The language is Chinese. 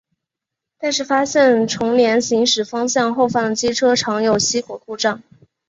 但是发现重联行驶方向后方的机车常有熄火故障。